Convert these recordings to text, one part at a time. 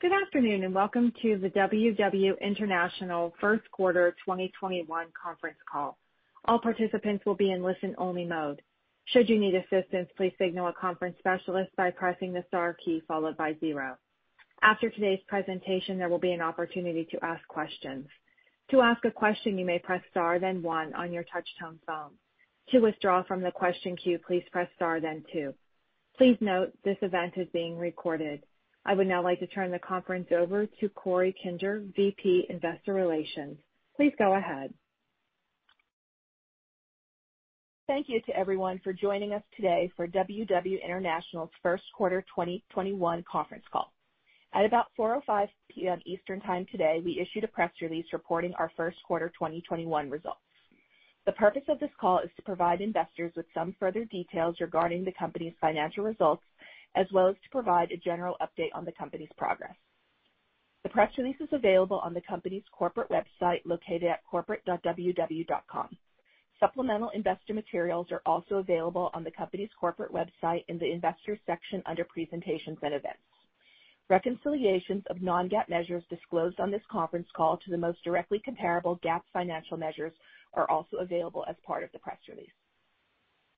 Good afternoon, welcome to the WW International First Quarter 2021 conference call. I would now like to turn the conference over to Corey Kinger, VP Investor Relations. Please go ahead. Thank you to everyone for joining us today for WW International's first quarter 2021 conference call. At about 4:05 P.M. Eastern Time today, we issued a press release reporting our first quarter 2021 results. The purpose of this call is to provide investors with some further details regarding the company's financial results, as well as to provide a general update on the company's progress. The press release is available on the company's corporate website located at corporate.ww.com. Supplemental investor materials are also available on the company's corporate website in the Investors section under Presentations and Events. Reconciliations of non-GAAP measures disclosed on this conference call to the most directly comparable GAAP financial measures are also available as part of the press release.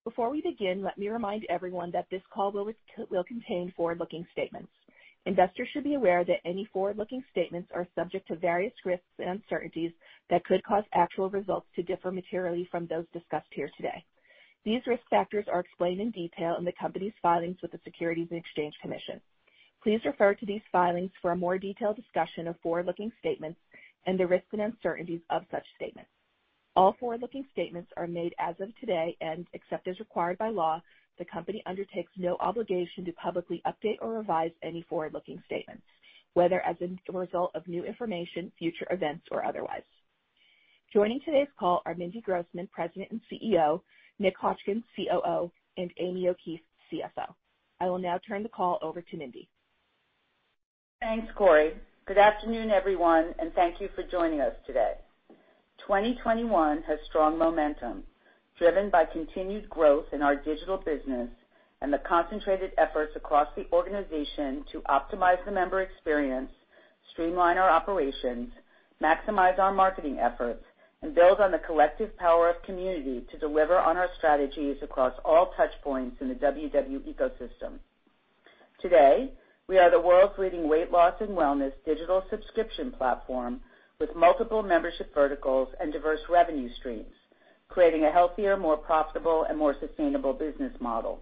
Before we begin, let me remind everyone that this call will contain forward-looking statements. Investors should be aware that any forward-looking statements are subject to various risks and uncertainties that could cause actual results to differ materially from those discussed here today. These risk factors are explained in detail in the company's filings with the Securities and Exchange Commission. Please refer to these filings for a more detailed discussion of forward-looking statements and the risks and uncertainties of such statements. All forward-looking statements are made as of today, and except as required by law, the company undertakes no obligation to publicly update or revise any forward-looking statements, whether as a result of new information, future events, or otherwise. Joining today's call are Mindy Grossman, President and CEO, Nick Hotchkin, COO, and Amy O'Keefe, CFO. I will now turn the call over to Mindy. Thanks, Corey. Good afternoon, everyone, and thank you for joining us today. 2021 has strong momentum, driven by continued growth in our digital business and the concentrated efforts across the organization to optimize the member experience, streamline our operations, maximize our marketing efforts, and build on the collective power of community to deliver on our strategies across all touchpoints in the WW ecosystem. Today, we are the world's leading weight loss and wellness digital subscription platform with multiple membership verticals and diverse revenue streams, creating a healthier, more profitable, and more sustainable business model.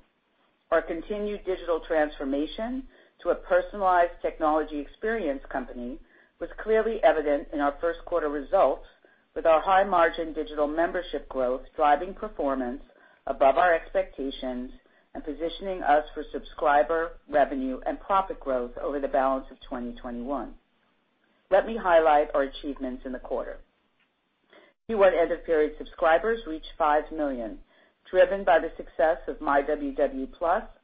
Our continued digital transformation to a personalized technology experience company was clearly evident in our first quarter results, with our high-margin digital membership growth driving performance above our expectations and positioning us for subscriber revenue and profit growth over the balance of 2021. Let me highlight our achievements in the quarter. Q1 end-of-period subscribers reached 5 million, driven by the success of myWW+,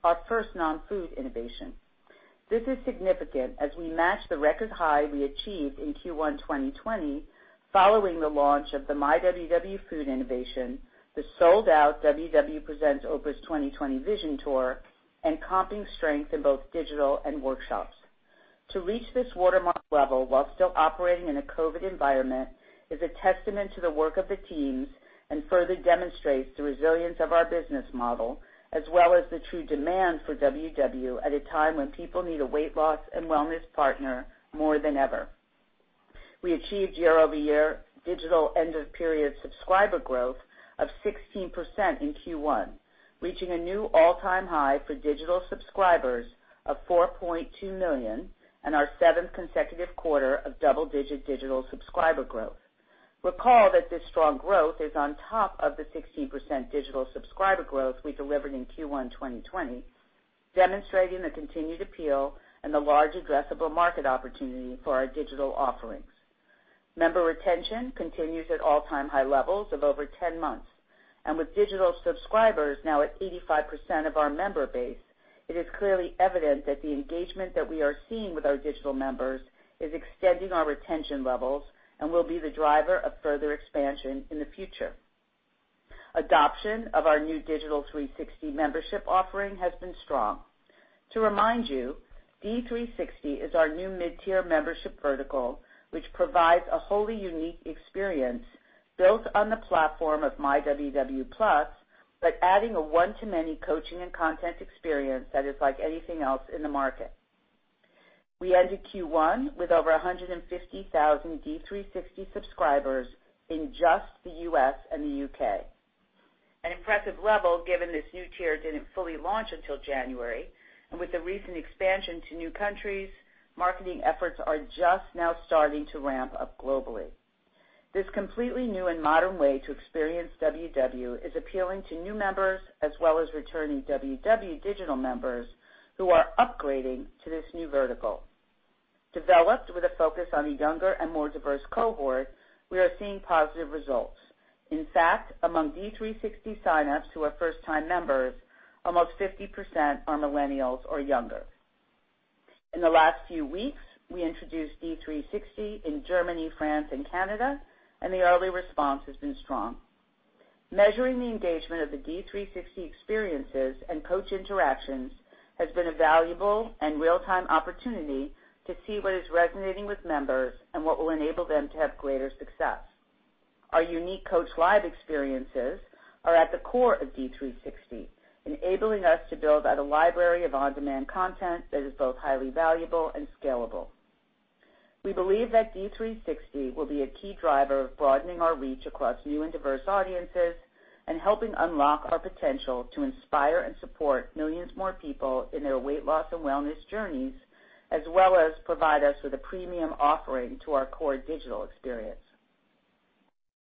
our first non-food innovation. This is significant as we match the record high we achieved in Q1 2020 following the launch of the myWW food innovation, the sold-out WW Presents Oprah's 2020 Vision: Your Life in Focus Tour, and comping strength in both digital and workshops. To reach this watermark level while still operating in a COVID environment is a testament to the work of the teams and further demonstrates the resilience of our business model, as well as the true demand for WW at a time when people need a weight loss and wellness partner more than ever. We achieved year-over-year digital end-of-period subscriber growth of 16% in Q1, reaching a new all-time high for digital subscribers of 4.2 million and our seventh consecutive quarter of double-digit digital subscriber growth. Recall that this strong growth is on top of the 16% digital subscriber growth we delivered in Q1 2020, demonstrating the continued appeal and the large addressable market opportunity for our digital offerings. Member retention continues at all-time high levels of over 10 months, and with digital subscribers now at 85% of our member base, it is clearly evident that the engagement that we are seeing with our digital members is extending our retention levels and will be the driver of further expansion in the future. Adoption of our new Digital 360 membership offering has been strong. To remind you, D360 is our new mid-tier membership vertical, which provides a wholly unique experience built on the platform of myWW+, but adding a one-to-many coaching and content experience that is like anything else in the market. We ended Q1 with over 150,000 D360 subscribers in just the U.S. and the U.K.. An impressive level given this new tier didn't fully launch until January, and with the recent expansion to new countries, marketing efforts are just now starting to ramp up globally. This completely new and modern way to experience WW is appealing to new members as well as returning WW digital members who are upgrading to this new vertical. Developed with a focus on a younger and more diverse cohort, we are seeing positive results. In fact, among D360 signups who are first-time members, almost 50% are millennials or younger. In the last few weeks, we introduced D360 in Germany, France, and Canada, and the early response has been strong. Measuring the engagement of the D360 experiences and coach interactions has been a valuable and real-time opportunity to see what is resonating with members and what will enable them to have greater success. Our unique CoachLIVES experiences are at the core of D360, enabling us to build out a library of on-demand content that is both highly valuable and scalable. We believe that D360 will be a key driver of broadening our reach across new and diverse audiences, and helping unlock our potential to inspire and support millions more people in their weight loss and wellness journeys, as well as provide us with a premium offering to our core digital experience.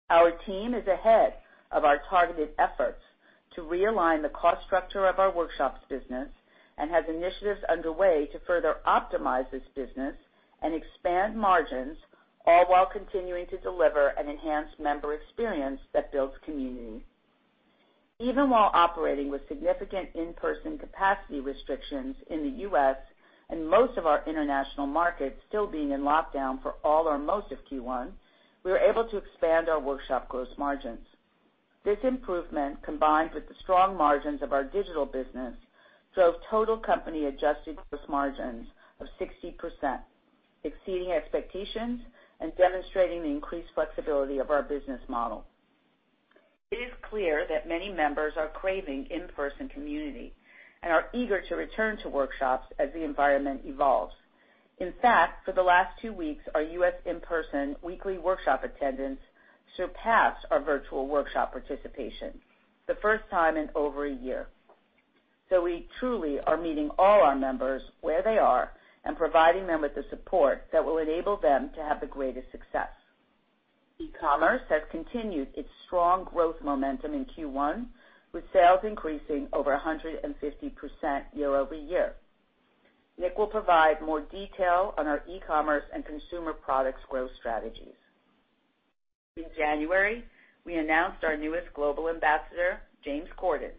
Our team is ahead of our targeted efforts to realign the cost structure of our workshops business, and has initiatives underway to further optimize this business and expand margins, all while continuing to deliver an enhanced member experience that builds community. Even while operating with significant in-person capacity restrictions in the U.S., and most of our international markets still being in lockdown for all or most of Q1, we are able to expand our workshop gross margins. This improvement, combined with the strong margins of our digital business, drove total company adjusted gross margins of 60%, exceeding expectations and demonstrating the increased flexibility of our business model. It is clear that many members are craving in-person community and are eager to return to workshops as the environment evolves. In fact, for the last two weeks, our U.S. in-person weekly workshop attendance surpassed our virtual workshop participation, the first time in over a year. We truly are meeting all our members where they are and providing them with the support that will enable them to have the greatest success. E-commerce has continued its strong growth momentum in Q1, with sales increasing over 150% year-over-year. Nick will provide more detail on our e-commerce and consumer products growth strategies. In January, we announced our newest global ambassador, James Corden.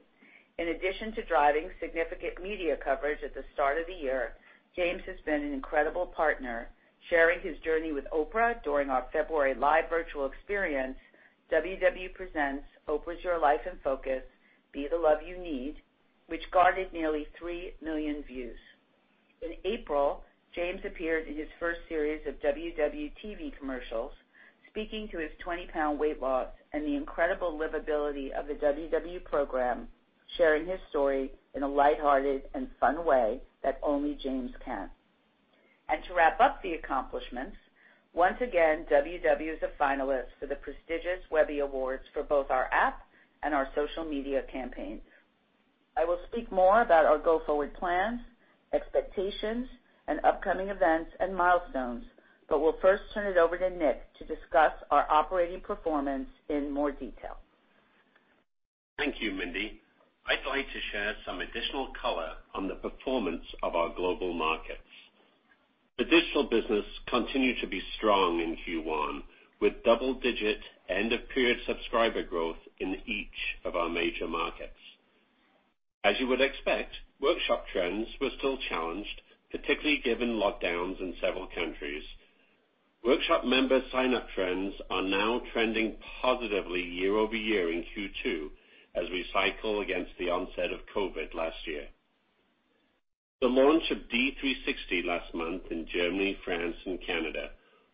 In addition to driving significant media coverage at the start of the year, James has been an incredible partner, sharing his journey with Oprah during our February live virtual experience, WW Presents: Oprah's Your Life in Focus: Be the Love You Need, which garnered nearly 3 million views. In April, James appeared in his first series of WW TV commercials, speaking to his 20-pound weight loss and the incredible livability of the WW program, sharing his story in a lighthearted and fun way that only James can. To wrap up the accomplishments, once again, WW is a finalist for the prestigious Webby Awards for both our app and our social media campaigns. I will speak more about our go-forward plans, expectations, and upcoming events and milestones, but will first turn it over to Nick to discuss our operating performance in more detail. Thank you, Mindy. I'd like to share some additional color on the performance of our global markets. The digital business continued to be strong in Q1, with double-digit end-of-period subscriber growth in each of our major markets. As you would expect, workshop trends were still challenged, particularly given lockdowns in several countries. Workshop member sign-up trends are now trending positively year-over-year in Q2 as we cycle against the onset of COVID last year. The launch of D360 last month in Germany, France, and Canada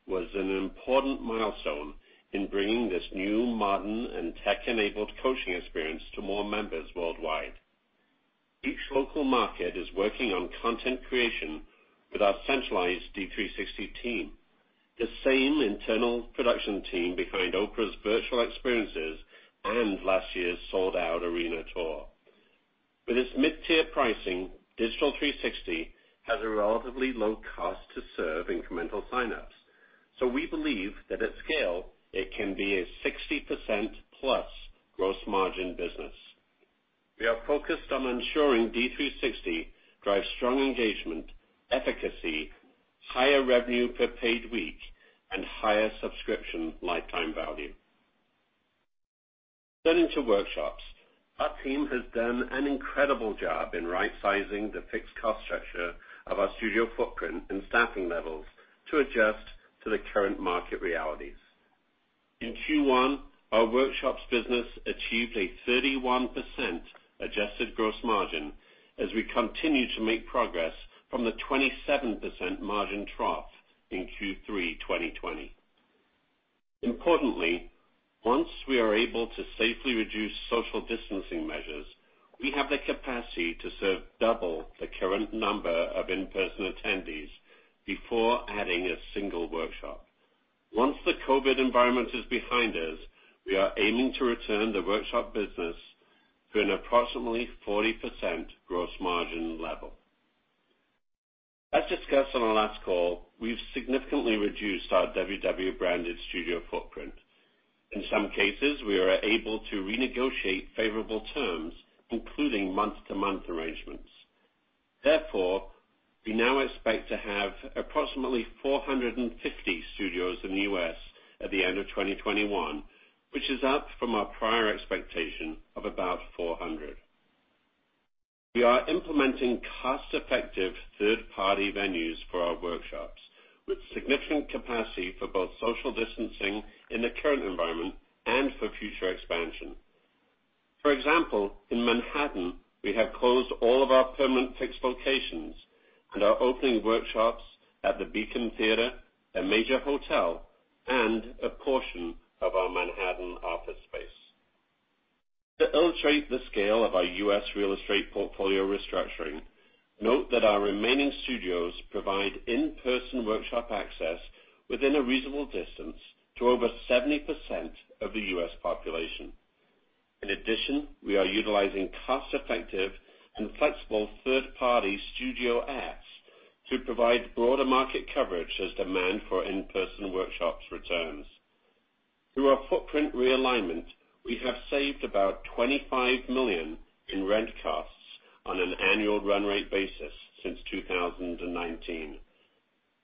was an important milestone in bringing this new modern and tech-enabled coaching experience to more members worldwide. Each local market is working on content creation with our centralized D360 team, the same internal production team behind Oprah's virtual experiences and last year's sold-out arena tour. With its mid-tier pricing, Digital 360 has a relatively low cost to serve incremental sign-ups, we believe that at scale, it can be a 60%+ gross margin business. We are focused on ensuring D360 drives strong engagement, efficacy, higher revenue per paid week, and higher subscription lifetime value. Into workshops. Our team has done an incredible job in rightsizing the fixed cost structure of our studio footprint and staffing levels to adjust to the current market realities. In Q1, our workshops business achieved a 31% adjusted gross margin as we continue to make progress from the 27% margin trough in Q3 2020. Importantly, once we are able to safely reduce social distancing measures, we have the capacity to serve double the current number of in-person attendees before adding a single workshop. Once the COVID environment is behind us, we are aiming to return the workshop business to an approximately 40% gross margin level. As discussed on the last call, we've significantly reduced our WW branded studio footprint. In some cases, we are able to renegotiate favorable terms, including month-to-month arrangements. Therefore, we now expect to have approximately 450 studios in the U.S. at the end of 2021, which is up from our prior expectation of about 400. We are implementing cost-effective third-party venues for our workshops, with significant capacity for both social distancing in the current environment and for future expansion. For example, in Manhattan, we have closed all of our permanent fixed locations and are opening workshops at the Beacon Theatre, a major hotel, and a portion of our Manhattan office space. To illustrate the scale of our U.S. real estate portfolio restructuring, note that our remaining studios provide in-person workshop access within a reasonable distance to over 70% of the U.S. population. In addition, we are utilizing cost-effective and flexible third-party studio adds to provide broader market coverage as demand for in-person workshops returns. Through our footprint realignment, we have saved about $25 million in rent costs on an annual run rate basis since 2019.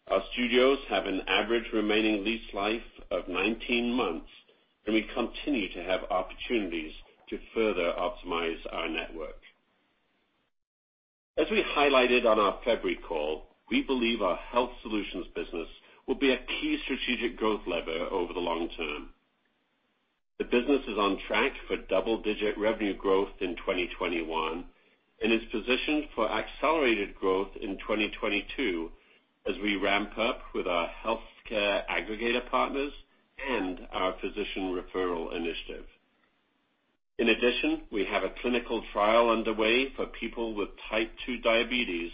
Our studios have an average remaining lease life of 19 months, and we continue to have opportunities to further optimize our network. As we highlighted on our February call, we believe our health solutions business will be a key strategic growth lever over the long term. The business is on track for double-digit revenue growth in 2021 and is positioned for accelerated growth in 2022 as we ramp up with our healthcare aggregator partners and our physician referral initiative. We have a clinical trial underway for people with type 2 diabetes,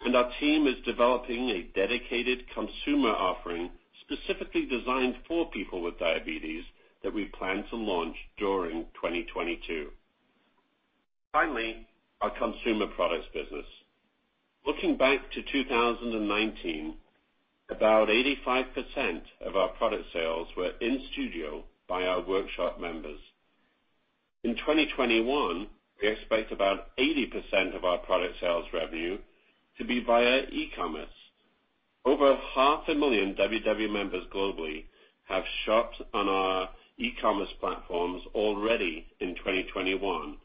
and our team is developing a dedicated consumer offering specifically designed for people with diabetes that we plan to launch during 2022. Our consumer products business. Looking back to 2019, about 85% of our product sales were in studio by our workshop members. In 2021, we expect about 80% of our product sales revenue to be via e-commerce. Over half a million WW members globally have shopped on our e-commerce platforms already in 2021,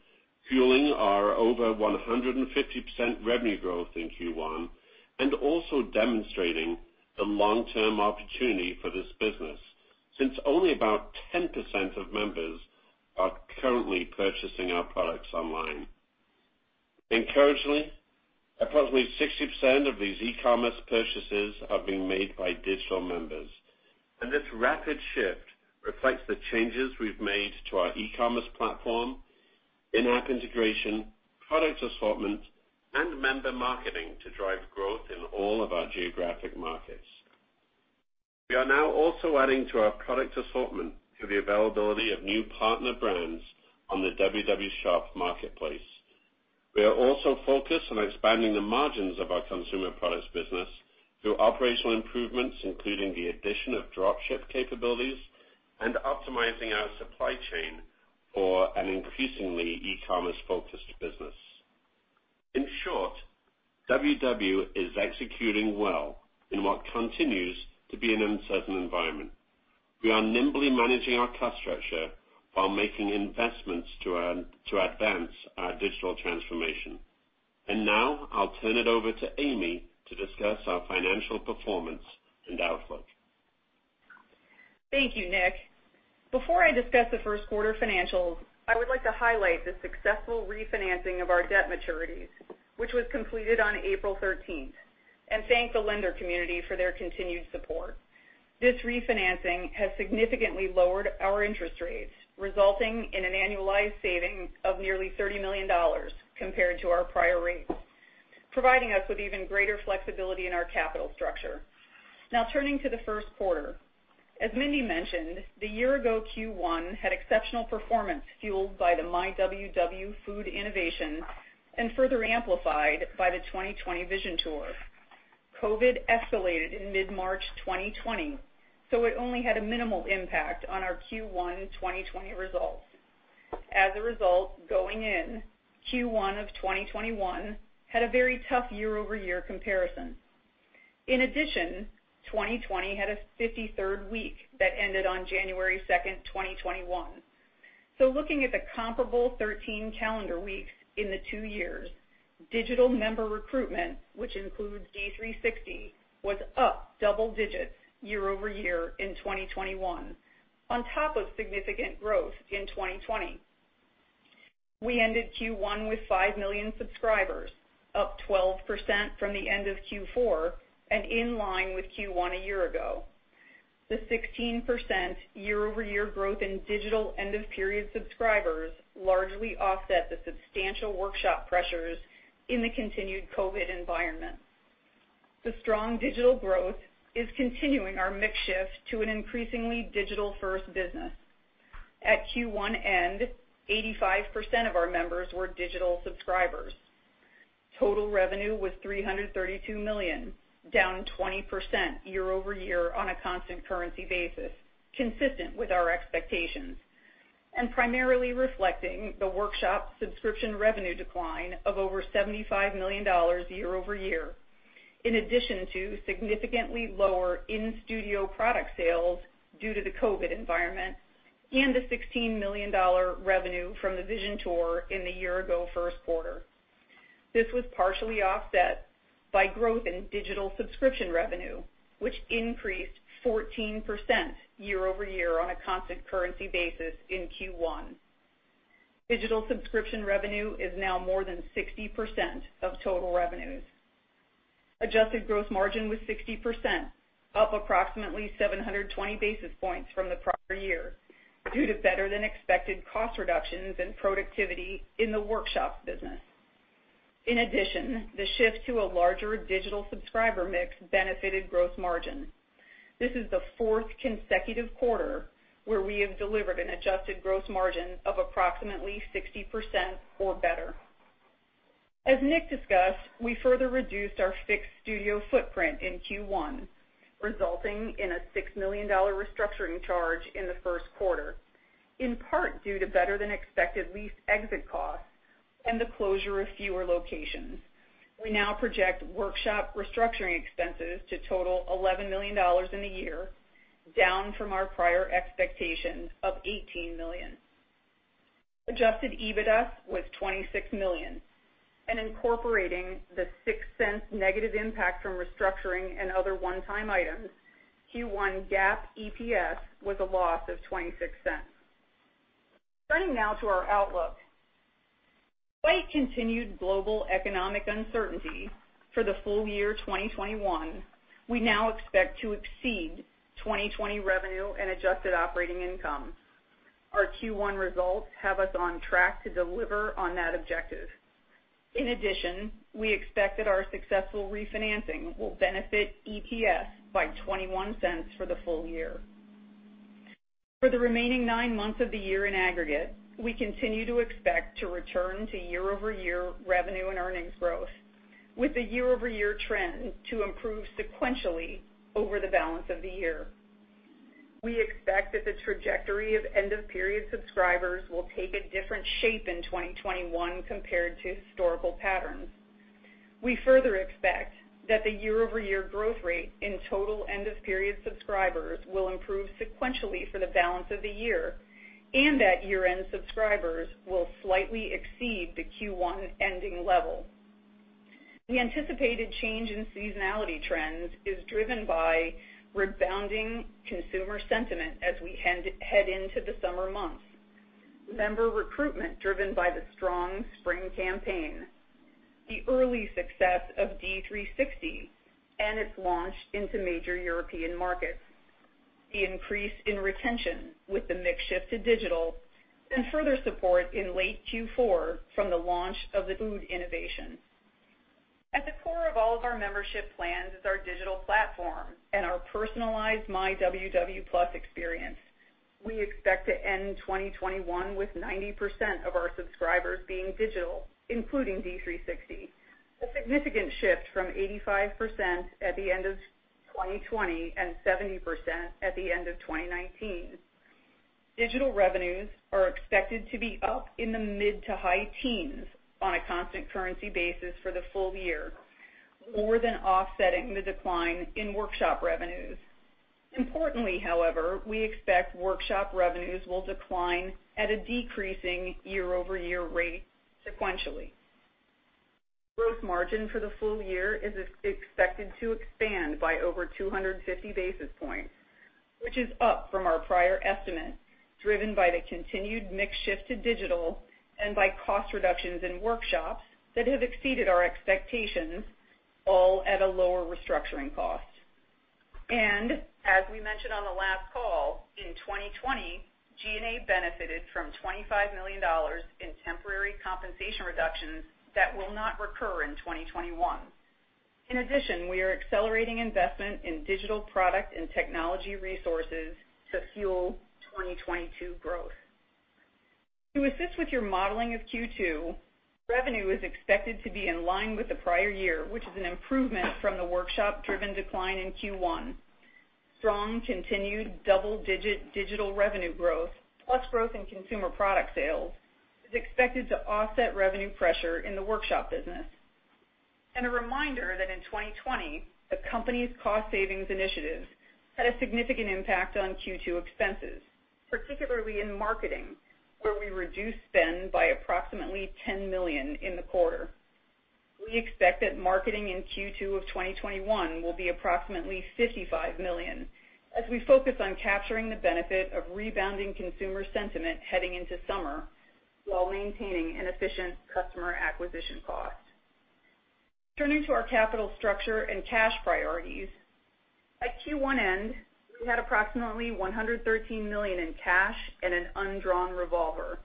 fueling our over 150% revenue growth in Q1. Also demonstrating the long-term opportunity for this business, since only about 10% of members are currently purchasing our products online. Encouragingly, approximately 60% of these e-commerce purchases are being made by digital members. This rapid shift reflects the changes we've made to our e-commerce platform, in-app integration, product assortment, and member marketing to drive growth in all of our geographic markets. We are now also adding to our product assortment through the availability of new partner brands on the WW Shop marketplace. We are also focused on expanding the margins of our consumer products business through operational improvements, including the addition of drop ship capabilities and optimizing our supply chain for an increasingly e-commerce focused business. In short, WW is executing well in what continues to be an uncertain environment. We are nimbly managing our cost structure while making investments to advance our digital transformation. Now I'll turn it over to Amy to discuss our financial performance and outlook. Thank you, Nick. Before I discuss the first quarter financials, I would like to highlight the successful refinancing of our debt maturities, which was completed on April 13th, and thank the lender community for their continued support. This refinancing has significantly lowered our interest rates, resulting in an annualized saving of nearly $30 million compared to our prior rates, providing us with even greater flexibility in our capital structure. Now turning to the first quarter. As Mindy mentioned, the year-ago Q1 had exceptional performance, fueled by the myWW food innovation and further amplified by the 2020 Vision Tour. COVID escalated in mid-March 2020, it only had a minimal impact on our Q1 2020 results. As a result, going in Q1 of 2021 had a very tough year-over-year comparison. In addition, 2020 had a 53rd week that ended on January 2nd, 2021. Looking at the comparable 13 calendar weeks in the two years, digital member recruitment, which includes D360, was up double digits year-over-year in 2021, on top of significant growth in 2020. We ended Q1 with five million subscribers, up 12% from the end of Q4 and in line with Q1 a year ago. The 16% year-over-year growth in digital end-of-period subscribers largely offset the substantial workshop pressures in the continued COVID environment. The strong digital growth is continuing our mix shift to an increasingly digital-first business. At Q1 end, 85% of our members were digital subscribers. Total revenue was $332 million, down 20% year-over-year on a constant currency basis, consistent with our expectations, and primarily reflecting the workshop subscription revenue decline of over $75 million year-over-year, in addition to significantly lower in-studio product sales due to the COVID environment and the $16 million revenue from the Vision Tour in the year-ago first quarter. This was partially offset by growth in digital subscription revenue, which increased 14% year-over-year on a constant currency basis in Q1. Digital subscription revenue is now more than 60% of total revenues. Adjusted gross margin was 60%, up approximately 720 basis points from the prior year due to better-than-expected cost reductions and productivity in the workshop business. In addition, the shift to a larger digital subscriber mix benefited gross margin. This is the 4th consecutive quarter where we have delivered an adjusted gross margin of approximately 60% or better. As Nick discussed, we further reduced our fixed studio footprint in Q1, resulting in a $6 million restructuring charge in the first quarter, in part due to better-than-expected lease exit costs and the closure of fewer locations. We now project workshop restructuring expenses to total $11 million in the year, down from our prior expectations of $18 million. Adjusted EBITDA was $26 million. Incorporating the $0.06 negative impact from restructuring and other one-time items, Q1 GAAP EPS was a loss of $0.26. Turning now to our outlook. Despite continued global economic uncertainty for the full year 2021, we now expect to exceed 2020 revenue and adjusted operating income. Our Q1 results have us on track to deliver on that objective. In addition, we expect that our successful refinancing will benefit EPS by $0.21 for the full year. For the remaining nine months of the year in aggregate, we continue to expect to return to year-over-year revenue and earnings growth, with the year-over-year trend to improve sequentially over the balance of the year. We expect that the trajectory of end-of-period subscribers will take a different shape in 2021 compared to historical patterns. We further expect that the year-over-year growth rate in total end-of-period subscribers will improve sequentially for the balance of the year, and that year-end subscribers will slightly exceed the Q1 ending level. The anticipated change in seasonality trends is driven by rebounding consumer sentiment as we head into the summer months. Member recruitment driven by the strong spring campaign, the early success of D360 and its launch into major European markets, the increase in retention with the mix shift to digital, and further support in late Q4 from the launch of the food innovation. At the core of all of our membership plans is our digital platform and our personalized myWW+ experience. We expect to end 2021 with 90% of our subscribers being digital, including D360, a significant shift from 85% at the end of 2020 and 70% at the end of 2019. Digital revenues are expected to be up in the mid to high teens on a constant currency basis for the full year, more than offsetting the decline in workshop revenues. Importantly, however, we expect workshop revenues will decline at a decreasing year-over-year rate sequentially. Gross margin for the full year is expected to expand by over 250 basis points, which is up from our prior estimate, driven by the continued mix shift to digital and by cost reductions in workshops that have exceeded our expectations, all at a lower restructuring cost. As we mentioned on the last call, in 2020, G&A benefited from $25 million in temporary compensation reductions that will not recur in 2021. In addition, we are accelerating investment in digital product and technology resources to fuel 2022 growth. To assist with your modeling of Q2, revenue is expected to be in line with the prior year, which is an improvement from the workshop-driven decline in Q1. Strong, continued double-digit digital revenue growth, plus growth in consumer product sales, is expected to offset revenue pressure in the workshop business. A reminder that in 2020, the company's cost savings initiatives had a significant impact on Q2 expenses, particularly in marketing, where we reduced spend by approximately $10 million in the quarter. We expect that marketing in Q2 of 2021 will be approximately $55 million as we focus on capturing the benefit of rebounding consumer sentiment heading into summer while maintaining an efficient customer acquisition cost. Turning to our capital structure and cash priorities. At Q1 end, we had approximately $113 million in cash and an undrawn revolver.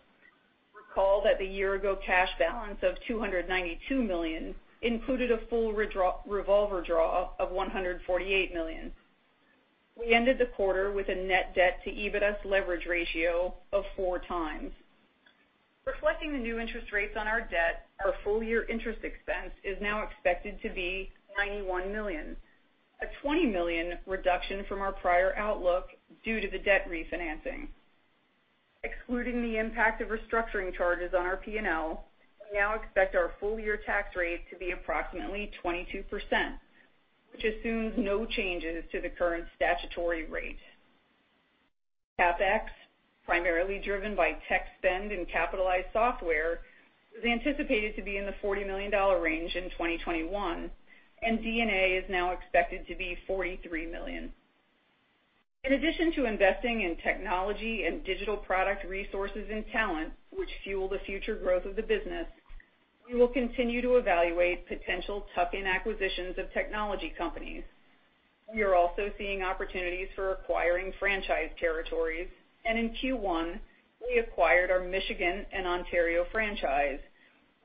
Recall that the year-ago cash balance of $292 million included a full revolver draw of $148 million. We ended the quarter with a net debt-to-EBITDA leverage ratio of four times. Reflecting the new interest rates on our debt, our full-year interest expense is now expected to be $91 million, a $20 million reduction from our prior outlook due to the debt refinancing. Excluding the impact of restructuring charges on our P&L, we now expect our full-year tax rate to be approximately 22%, which assumes no changes to the current statutory rate. CapEx, primarily driven by tech spend and capitalized software, is anticipated to be in the $40 million range in 2021, and D&A is now expected to be $43 million. In addition to investing in technology and digital product resources and talent, which fuel the future growth of the business, we will continue to evaluate potential tuck-in acquisitions of technology companies. We are also seeing opportunities for acquiring franchise territories, and in Q1, we acquired our Michigan and Ontario franchise,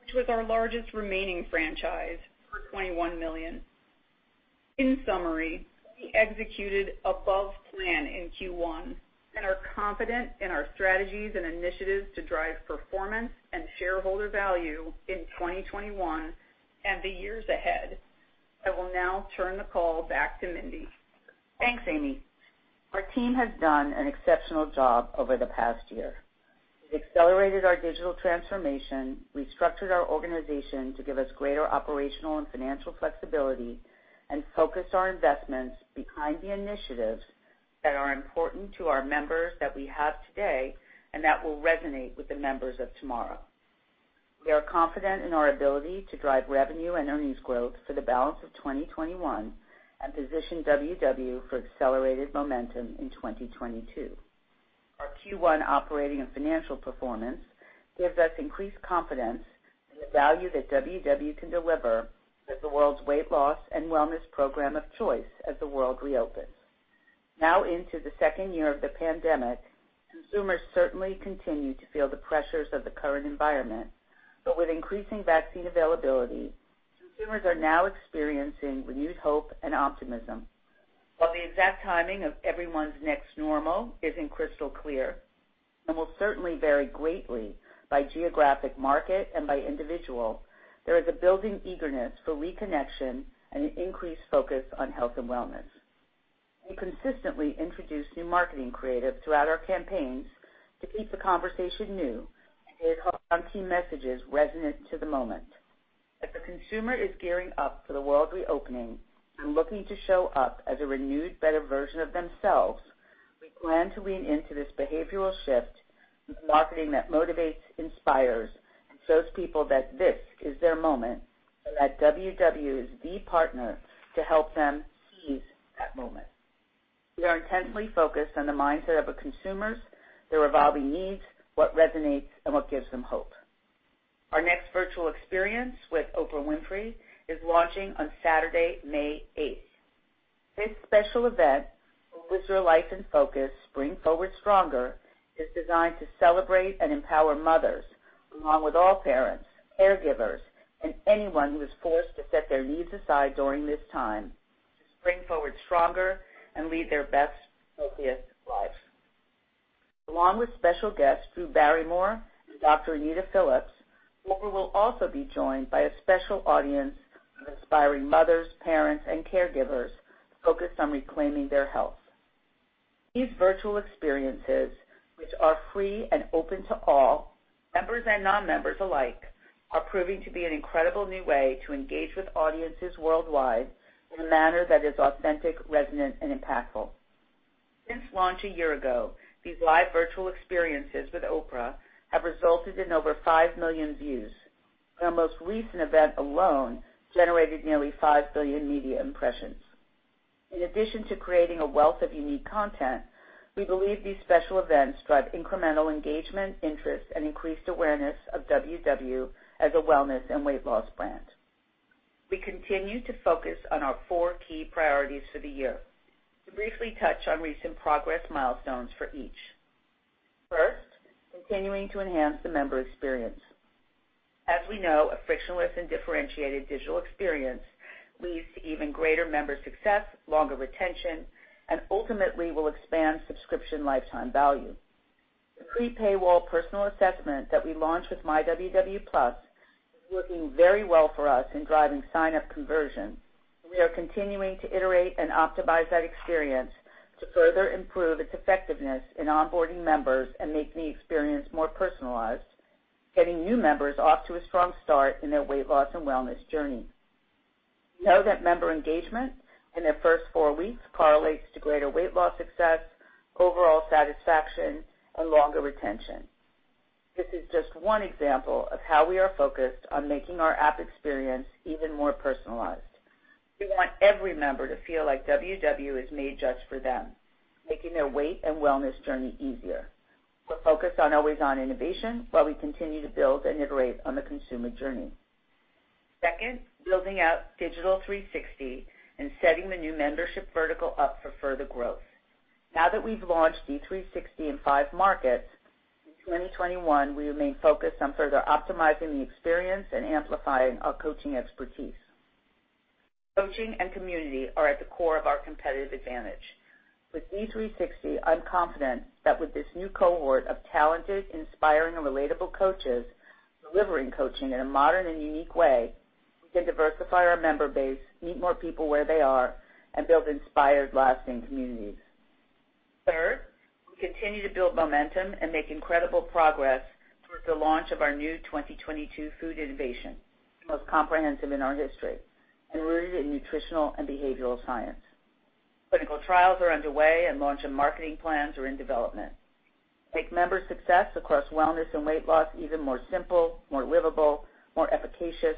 which was our largest remaining franchise, for $21 million. In summary, we executed above plan in Q1 and are confident in our strategies and initiatives to drive performance and shareholder value in 2021 and the years ahead. I will now turn the call back to Mindy. Thanks, Amy. Our team has done an exceptional job over the past year. We've accelerated our digital transformation, restructured our organization to give us greater operational and financial flexibility, focused our investments behind the initiatives that are important to our members that we have today and that will resonate with the members of tomorrow. We are confident in our ability to drive revenue and earnings growth for the balance of 2021 and position WW for accelerated momentum in 2022. Our Q1 operating and financial performance gives us increased confidence in the value that WW can deliver as the world's weight loss and wellness program of choice as the world reopens. Into the second year of the pandemic, consumers certainly continue to feel the pressures of the current environment, with increasing vaccine availability, consumers are now experiencing renewed hope and optimism. While the exact timing of everyone's next normal isn't crystal clear and will certainly vary greatly by geographic market and by individual, there is a building eagerness for reconnection and an increased focus on health and wellness. We consistently introduce new marketing creative throughout our campaigns to keep the conversation new and keep our key messages resonant to the moment. As the consumer is gearing up for the world reopening and looking to show up as a renewed, better version of themselves, we plan to lean into this behavioral shift with marketing that motivates, inspires, and shows people that this is their moment and that WW is the partner to help them seize that moment. We are intensely focused on the mindset of our consumers, their evolving needs, what resonates, and what gives them hope. Our next virtual experience with Oprah Winfrey is launching on Saturday, May 8th. This special event, Oprah's Your Life in Focus: Spring Forward Stronger, is designed to celebrate and empower mothers, along with all parents, caregivers, and anyone who was forced to set their needs aside during this time to spring forward stronger and lead their best, healthiest lives. Along with special guests Drew Barrymore and Dr. Anita Phillips, Oprah will also be joined by a special audience of aspiring mothers, parents, and caregivers focused on reclaiming their health. These virtual experiences, which are free and open to all, members and non-members alike, are proving to be an incredible new way to engage with audiences worldwide in a manner that is authentic, resonant, and impactful. Since launch a year ago, these live virtual experiences with Oprah have resulted in over 5 million views. Our most recent event alone generated nearly 5 billion media impressions. In addition to creating a wealth of unique content, we believe these special events drive incremental engagement, interest, and increased awareness of WW as a wellness and weight loss brand. We continue to focus on our four key priorities for the year. To briefly touch on recent progress milestones for each. First, continuing to enhance the member experience. As we know, a frictionless and differentiated digital experience leads to even greater member success, longer retention, and ultimately will expand subscription lifetime value. The pre-paywall personal assessment that we launched with myWW+ is working very well for us in driving sign-up conversion, and we are continuing to iterate and optimize that experience to further improve its effectiveness in onboarding members and making the experience more personalized, getting new members off to a strong start in their weight loss and wellness journey. Know that member engagement in their first four weeks correlates to greater weight loss success, overall satisfaction, and longer retention. This is just one example of how we are focused on making our app experience even more personalized. We want every member to feel like WW is made just for them, making their weight and wellness journey easier. We're focused on always-on innovation while we continue to build and iterate on the consumer journey. Second, building out Digital 360 and setting the new membership vertical up for further growth. Now that we've launched D360 in five markets, in 2021, we remain focused on further optimizing the experience and amplifying our coaching expertise. Coaching and community are at the core of our competitive advantage. With D360, I'm confident that with this new cohort of talented, inspiring, and relatable coaches delivering coaching in a modern and unique way, we can diversify our member base, meet more people where they are, and build inspired, lasting communities. Third, we continue to build momentum and make incredible progress towards the launch of our new 2022 food innovation, the most comprehensive in our history, and rooted in nutritional and behavioral science. Clinical trials are underway and launch and marketing plans are in development. To make member success across wellness and weight loss even more simple, more livable, more efficacious,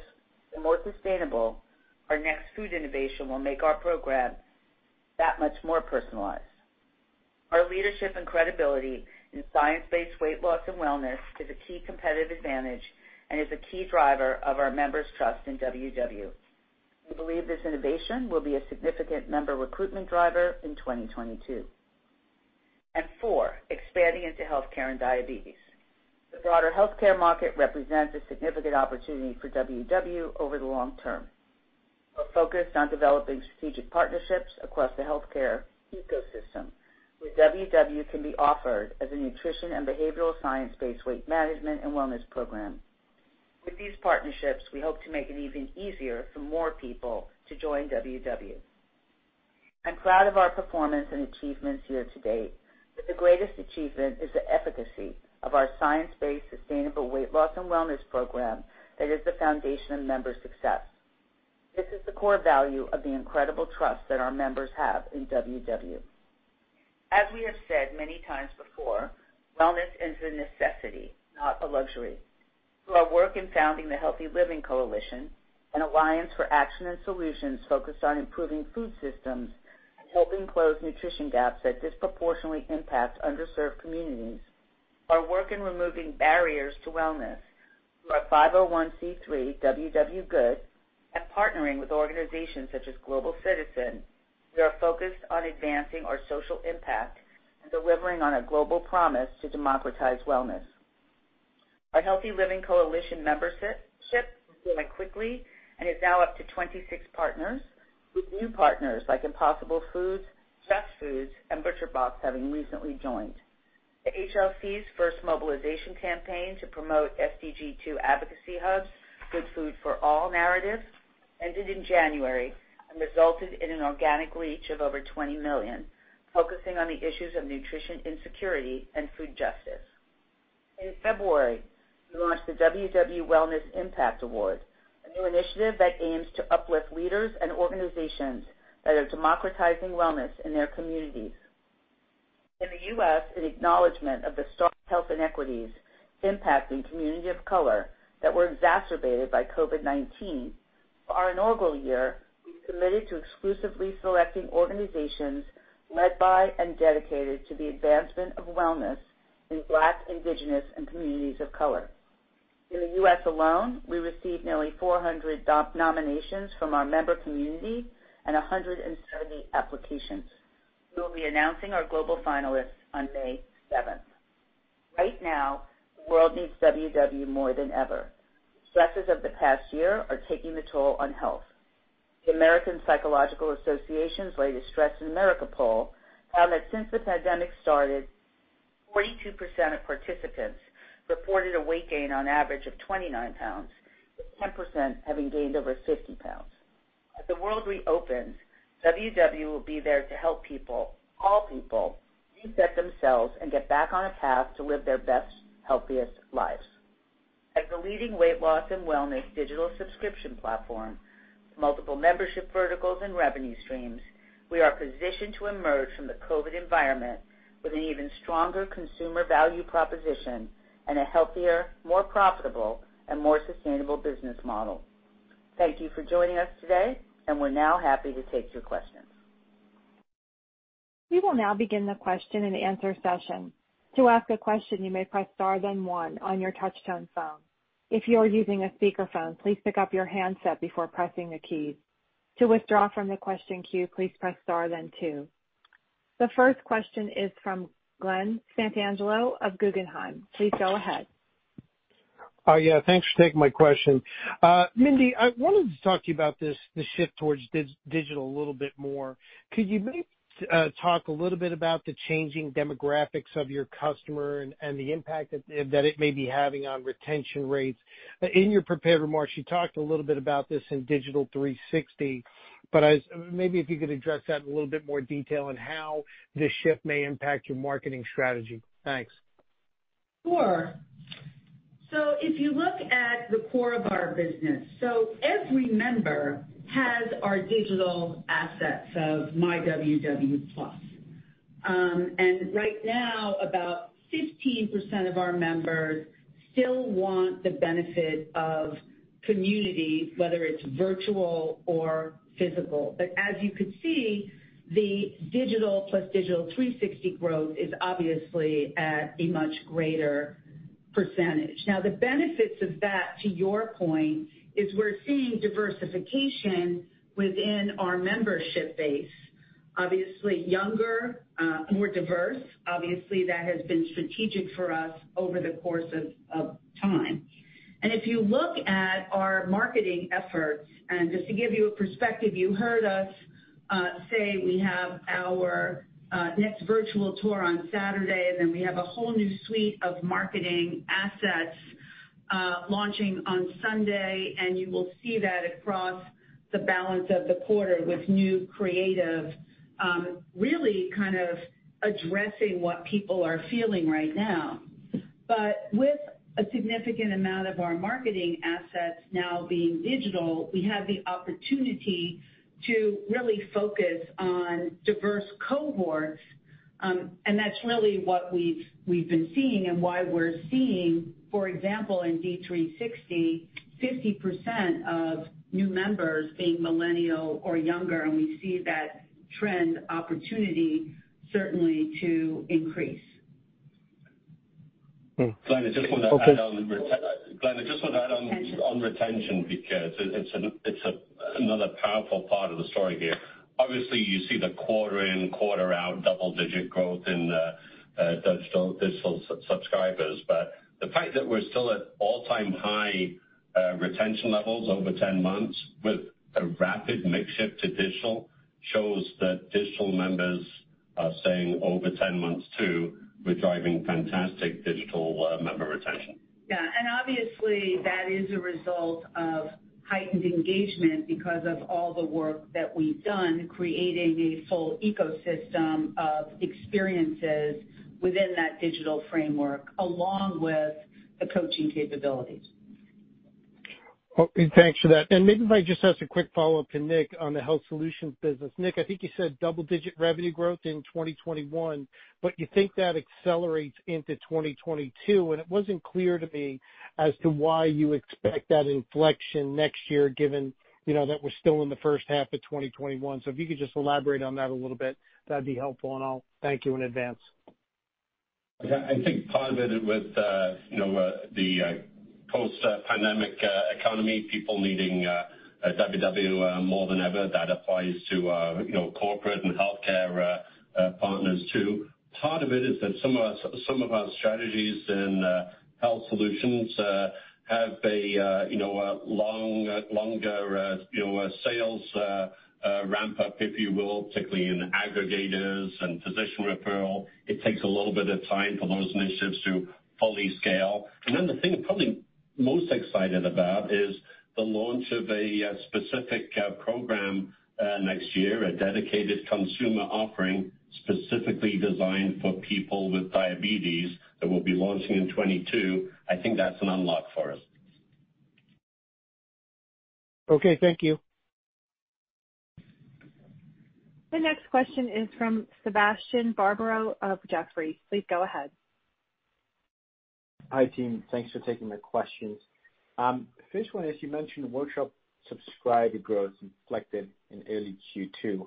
and more sustainable, our next food innovation will make our program that much more personalized. Our leadership and credibility in science-based weight loss and wellness is a key competitive advantage and is a key driver of our members' trust in WW. We believe this innovation will be a significant member recruitment driver in 2022. Four, expanding into healthcare and diabetes. The broader healthcare market represents a significant opportunity for WW over the long term. We're focused on developing strategic partnerships across the healthcare ecosystem, where WW can be offered as a nutrition and behavioral science-based weight management and wellness program. With these partnerships, we hope to make it even easier for more people to join WW. I'm proud of our performance and achievements year to date, but the greatest achievement is the efficacy of our science-based, sustainable weight loss and wellness program that is the foundation of member success. This is the core value of the incredible trust that our members have in WW. As we have said many times before, wellness is a necessity, not a luxury. Through our work in founding the Healthy Living Coalition, an alliance for action and solutions focused on improving food systems and helping close nutrition gaps that disproportionately impact underserved communities, our work in removing barriers to wellness through our 501(c)(3) WW Good, and partnering with organizations such as Global Citizen, we are focused on advancing our social impact and delivering on a global promise to democratize wellness. Our Healthy Living Coalition membership is growing quickly and is now up to 26 partners, with new partners like Impossible Foods, Just Food, and ButcherBox having recently joined. The HLC's first mobilization campaign to promote SDG 2 advocacy hubs, Good Food for All narrative, ended in January and resulted in an organic reach of over 20 million, focusing on the issues of nutrition insecurity and food justice. In February, we launched the WW Wellness Impact Award, a new initiative that aims to uplift leaders and organizations that are democratizing wellness in their communities. In the U.S., in acknowledgment of the stark health inequities impacting community of color that were exacerbated by COVID-19, for our inaugural year, we committed to exclusively selecting organizations led by and dedicated to the advancement of wellness in Black, Indigenous, and communities of color. In the U.S. alone, we received nearly 400 nominations from our member community and 170 applications. We will be announcing our global finalists on May 7th. Right now, the world needs WW more than ever. The stresses of the past year are taking the toll on health. The American Psychological Association's latest Stress in America poll found that since the pandemic started, 42% of participants reported a weight gain on average of 29 pounds, with 10% having gained over 50 pounds. As the world reopens, WW will be there to help people, all people, reset themselves and get back on a path to live their best, healthiest lives. As the leading weight loss and wellness digital subscription platform with multiple membership verticals and revenue streams, we are positioned to emerge from the COVID environment with an even stronger consumer value proposition and a healthier, more profitable, and more sustainable business model. Thank you for joining us today, and we're now happy to take your questions. We will now begin the question and answer session. To ask a question, you may press star then one on your touch-tone phone. If you are using a speakerphone, please pick up your handset before pressing the keys. To withdraw from the question queue, please press star then two. The first question is from Glen Santangelo of Guggenheim. Please go ahead. Yeah, thanks for taking my question. Mindy, I wanted to talk to you about this shift towards digital a little bit more. Could you maybe talk a little bit about the changing demographics of your customer and the impact that it may be having on retention rates? In your prepared remarks, you talked a little bit about this in Digital 360, maybe if you could address that in a little bit more detail on how this shift may impact your marketing strategy. Thanks. Sure. If you look at the core of our business, every member has our digital assets of myWW+. Right now, about 15% of our members still want the benefit of community, whether it's virtual or physical. As you could see, the digital plus Digital 360 growth is obviously at a much greater percentage. The benefits of that, to your point, is we're seeing diversification within our membership base. Obviously, younger, more diverse. Obviously, that has been strategic for us over the course of time. If you look at our marketing efforts, just to give you a perspective, you heard us. Say we have our next virtual tour on Saturday, then we have a whole new suite of marketing assets launching on Sunday, and you will see that across the balance of the quarter with new creative, really kind of addressing what people are feeling right now. With a significant amount of our marketing assets now being digital, we have the opportunity to really focus on diverse cohorts. That's really what we've been seeing and why we're seeing, for example, in D360, 50% of new members being millennial or younger, and we see that trend opportunity certainly to increase. Glen, I just want to add on retention because it's another powerful part of the story here. Obviously, you see the quarter in, quarter out double-digit growth in digital subscribers. The fact that we're still at all-time high retention levels over 10 months with a rapid mix shift to digital shows that digital members are staying over 10 months too. We're driving fantastic digital member retention. Yeah. Obviously, that is a result of heightened engagement because of all the work that we've done creating a full ecosystem of experiences within that digital framework, along with the coaching capabilities. Okay, thanks for that. Maybe if I just ask a quick follow-up to Nick on the health solutions business. Nick, I think you said double-digit revenue growth in 2021, but you think that accelerates into 2022, and it wasn't clear to me as to why you expect that inflection next year given that we're still in the first half of 2021. If you could just elaborate on that a little bit, that'd be helpful, and I'll thank you in advance. Yeah, I think part of it with the post-pandemic economy, people needing WW more than ever. That applies to corporate and healthcare partners too. Part of it is that some of our strategies in health solutions have a longer sales ramp-up, if you will, particularly in aggregators and physician referral. It takes a little bit of time for those initiatives to fully scale. Then the thing I'm probably most excited about is the launch of a specific program next year, a dedicated consumer offering specifically designed for people with diabetes that we'll be launching in 2022. I think that's an unlock for us. Okay, thank you. The next question is from Sebastian Barbero of Jefferies. Please go ahead. Hi, team. Thanks for taking my questions. First one is, you mentioned Workshop subscriber growth reflected in early Q2.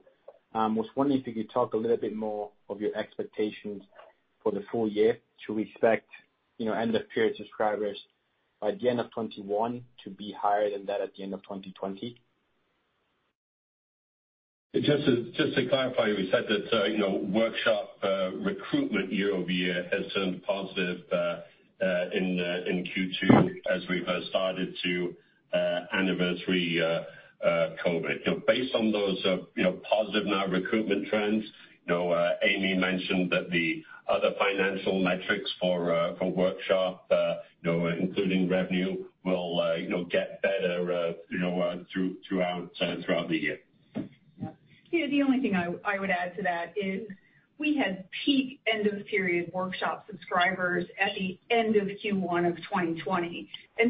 I was wondering if you could talk a little bit more of your expectations for the full year to expect end-of-period subscribers by the end of 2021 to be higher than that at the end of 2020. Just to clarify, we said that Workshop recruitment year-over-year has turned positive in Q2 as we've started to anniversary COVID. Based on those positive now recruitment trends, Amy mentioned that the other financial metrics for Workshop including revenue, will get better throughout the year. Yeah. The only thing I would add to that is we had peak end-of-period Workshop subscribers at the end of Q1 of 2020.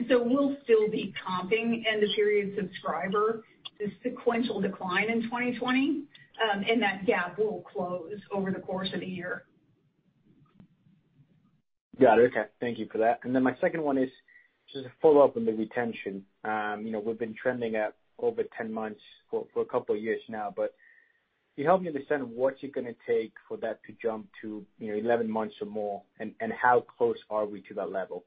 We'll still be comping end-of-period subscriber, the sequential decline in 2020, and that gap will close over the course of the year. Got it. Okay. Thank you for that. My second one is just a follow-up on the retention. We've been trending at over 10 months for a couple of years now, can you help me understand what's it going to take for that to jump to 11 months or more, and how close are we to that level?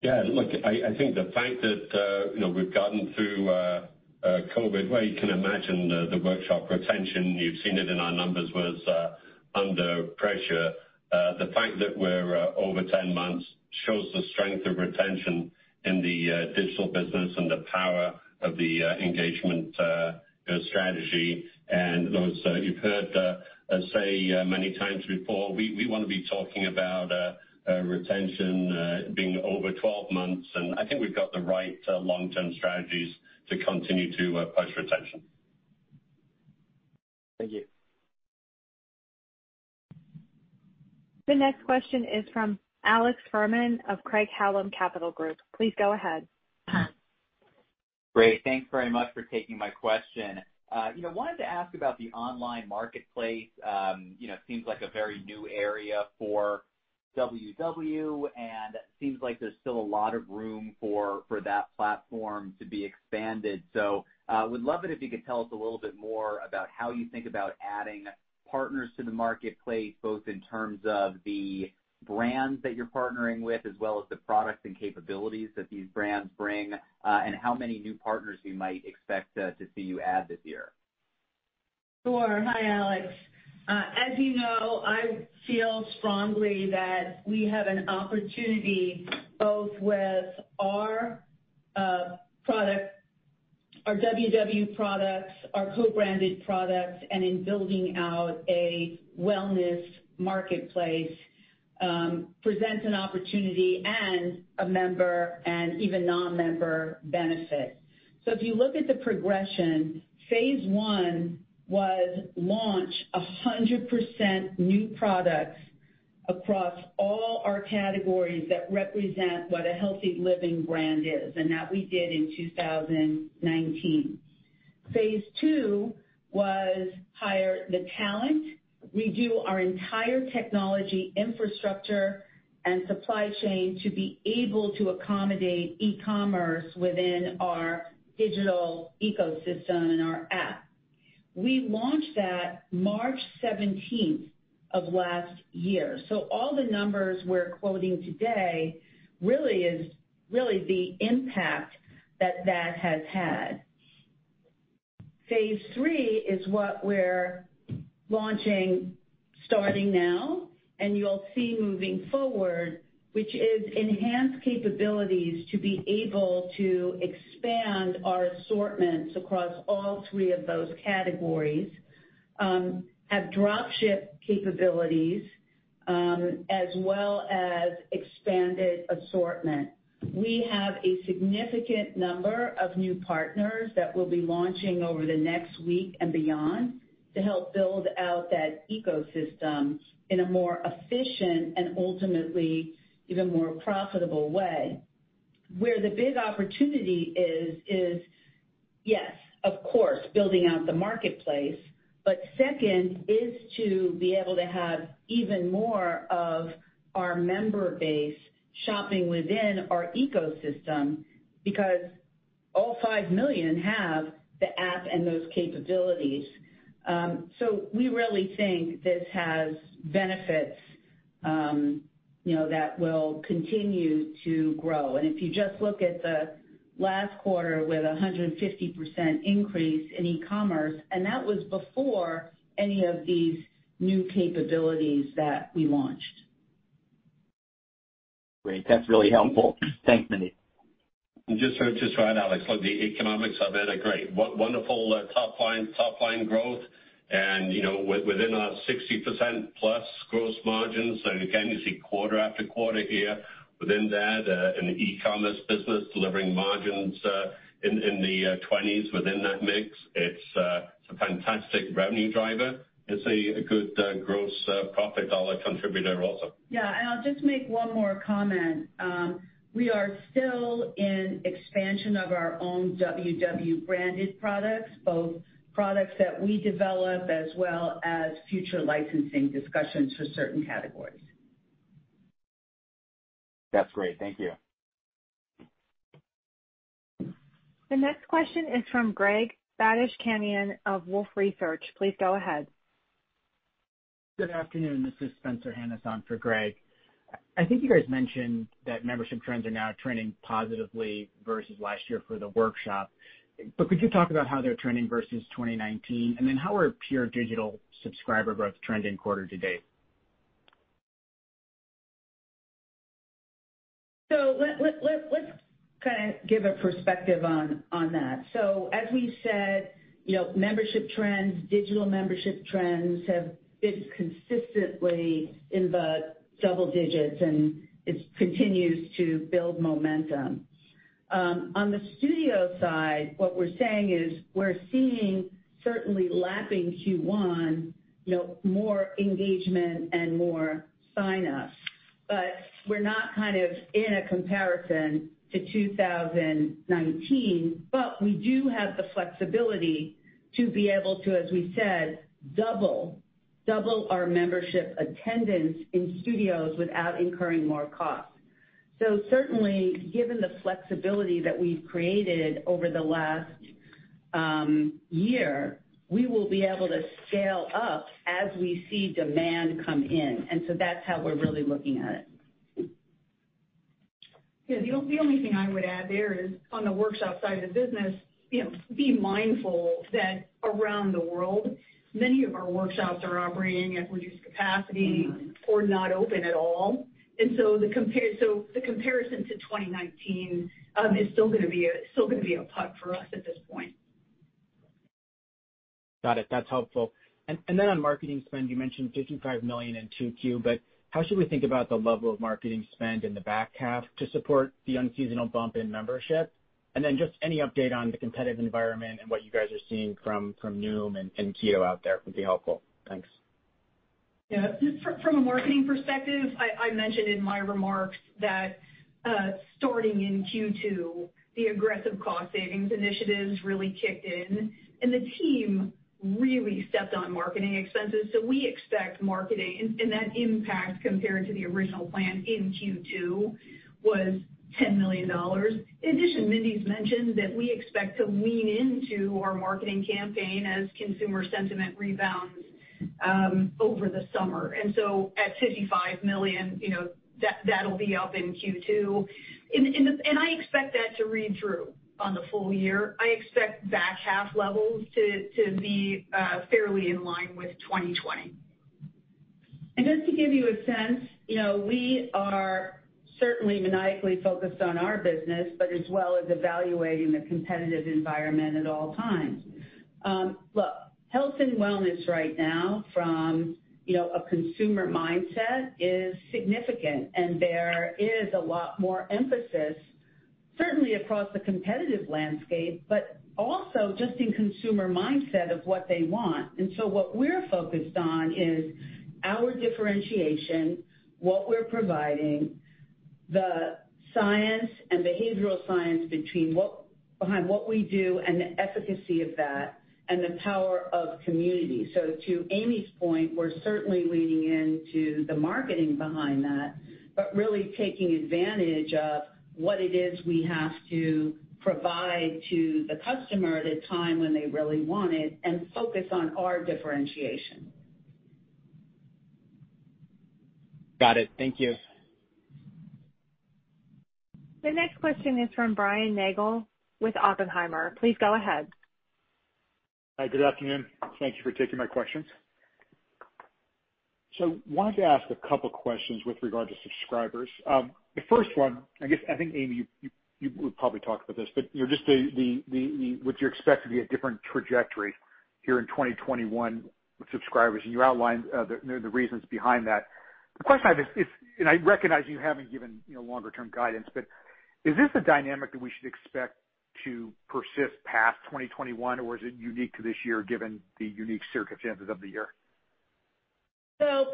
Yeah, look, I think the fact that we've gotten through COVID, where you can imagine the Workshop retention, you've seen it in our numbers, was under pressure. The fact that we're over 10 months shows the strength of retention in the digital business and the power of the engagement strategy. You've heard us say many times before, we want to be talking about retention being over 12 months, and I think we've got the right long-term strategies to continue to push retention. Thank you. The next question is from Alex Fuhrman of Craig-Hallum Capital Group. Please go ahead. Great. Thanks very much for taking my question. I wanted to ask about the online marketplace. Seems like a very new area for WW, and seems like there's still a lot of room for that platform to be expanded. Would love it if you could tell us a little bit more about how you think about adding partners to the marketplace, both in terms of the brands that you're partnering with, as well as the products and capabilities that these brands bring, and how many new partners we might expect to see you add this year. Sure. Hi, Alex. As you know, I feel strongly that we have an opportunity both with our product, our WW products, our co-branded products, and in building out a wellness marketplace, presents an opportunity and a member and even non-member benefit. If you look at the progression, phase I was launch 100% new products across all our categories that represent what a healthy living brand is, and that we did in 2019. Phase II was hire the talent, redo our entire technology infrastructure and supply chain to be able to accommodate e-commerce within our digital ecosystem and our app. We launched that March 17th of last year. All the numbers we're quoting today really is the impact that that has had. Phase III is what we're launching starting now, and you'll see moving forward, which is enhanced capabilities to be able to expand our assortments across all three of those categories, have dropship capabilities, as well as expanded assortment. We have a significant number of new partners that we'll be launching over the next week and beyond to help build out that ecosystem in a more efficient and ultimately even more profitable way. Where the big opportunity is, yes, of course, building out the marketplace. Second is to be able to have even more of our member base shopping within our ecosystem because all 5 million have the app and those capabilities. We really think this has benefits that will continue to grow. If you just look at the last quarter with 150% increase in e-commerce, and that was before any of these new capabilities that we launched. Great. That's really helpful. Thanks, Mindy. Just to add, Alex, look, the economics of it are great. Wonderful top-line growth and within our 60%+ gross margins. Again, you see quarter after quarter here within that, an e-commerce business delivering margins in the 20s within that mix. It's a fantastic revenue driver. It's a good gross profit dollar contributor also. Yeah. I'll just make one more comment. We are still in expansion of our own WW branded products, both products that we develop as well as future licensing discussions for certain categories. That's great. Thank you. The next question is from Greg Badishkanian of Wolfe Research. Please go ahead. Good afternoon. This is Spencer Hanus on for Greg. I think you guys mentioned that membership trends are now trending positively versus last year for the workshop, but could you talk about how they're trending versus 2019? How are pure digital subscriber growth trending quarter to date? Let's kind of give a perspective on that. As we said, membership trends, digital membership trends have been consistently in the double digits, and it continues to build momentum. On the studio side, what we're saying is we're seeing certainly lapping Q1, more engagement and more sign-ups. We're not kind of in a comparison to 2019, but we do have the flexibility to be able to, as we said, double our membership attendance in studios without incurring more cost. Certainly, given the flexibility that we've created over the last year, we will be able to scale up as we see demand come in. That's how we're really looking at it. Yeah. The only thing I would add there is on the workshop side of the business, be mindful that around the world, many of our workshops are operating at reduced capacity or not open at all. The comparison to 2019 is still going to be a puck for us at this point. Got it. That's helpful. Then on marketing spend, you mentioned $55 million in 2Q, but how should we think about the level of marketing spend in the back half to support the unseasonal bump in membership? Then just any update on the competitive environment and what you guys are seeing from Noom and Keto out there would be helpful. Thanks. Yeah. Just from a marketing perspective, I mentioned in my remarks that starting in Q2, the aggressive cost savings initiatives really kicked in, and the team really stepped on marketing expenses. We expect marketing, and that impact compared to the original plan in Q2 was $10 million. In addition, Mindy's mentioned that we expect to lean into our marketing campaign as consumer sentiment rebounds Over the summer. At $55 million, that'll be up in Q2. I expect that to read through on the full year. I expect back half levels to be fairly in line with 2020. Just to give you a sense, we are certainly maniacally focused on our business, but as well as evaluating the competitive environment at all times. Look, health and wellness right now from a consumer mindset is significant, and there is a lot more emphasis, certainly across the competitive landscape, but also just in consumer mindset of what they want. What we're focused on is our differentiation, what we're providing, the science and behavioral science behind what we do and the efficacy of that, and the power of community. To Amy's point, we're certainly leaning into the marketing behind that, but really taking advantage of what it is we have to provide to the customer at a time when they really want it and focus on our differentiation. Got it. Thank you. The next question is from Brian Nagel with Oppenheimer. Please go ahead. Hi, good afternoon. Thank you for taking my questions. I wanted to ask a couple questions with regard to subscribers. The first one, I think, Amy, you would probably talk about this, but just what you expect to be a different trajectory here in 2021 with subscribers, and you outlined the reasons behind that. The question I have is, and I recognize you haven't given longer term guidance, but is this a dynamic that we should expect to persist past 2021, or is it unique to this year given the unique circumstances of the year?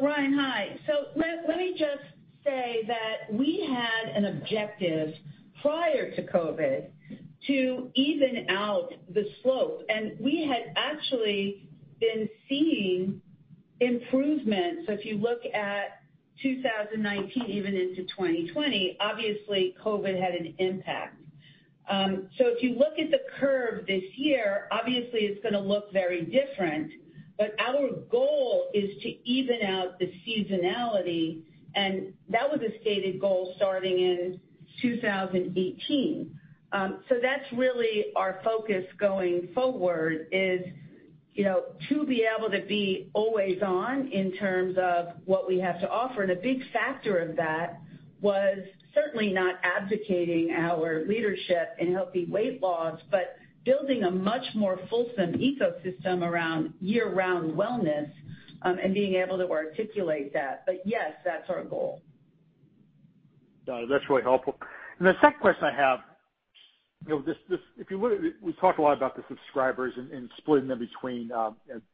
Brian, hi. Let me just say that we had an objective prior to COVID to even out the slope, and we had actually been seeing improvements. If you look at 2019, even into 2020, obviously COVID had an impact. If you look at the curve this year, obviously it's going to look very different, but our goal is to even out the seasonality, and that was a stated goal starting in 2018. That's really our focus going forward is to be able to be always on in terms of what we have to offer. A big factor of that was certainly not advocating our leadership in healthy weight loss, but building a much more fulsome ecosystem around year-round wellness, and being able to articulate that. Yes, that's our goal. Got it. That's really helpful. The second question I have, we talk a lot about the subscribers and splitting them between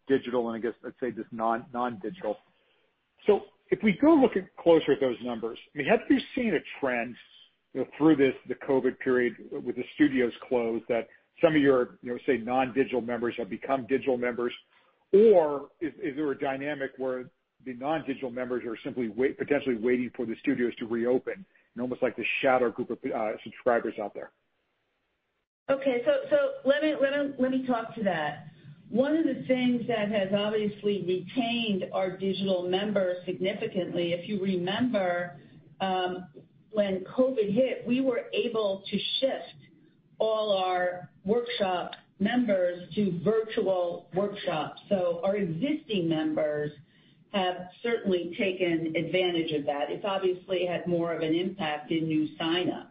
digital and I guess let's say just non-digital. If we go look closer at those numbers, have you seen a trend through the COVID period with the studios closed that some of your non-digital members have become digital members? Is there a dynamic where the non-digital members are simply potentially waiting for the studios to reopen and almost like this shadow group of subscribers out there? Okay. Let me talk to that. One of the things that has obviously retained our digital members significantly, if you remember when COVID hit, we were able to shift all our workshop members to virtual workshops. Our existing members have certainly taken advantage of that. It's obviously had more of an impact in new signups.